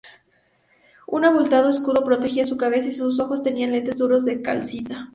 Un abultado escudo protegía su cabeza, y sus ojos tenían lentes duros de calcita.